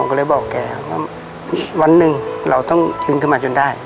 ผมก็เลยบอกแกว่าวันหนึ่งเราต้องยืนขึ้นมาจนได้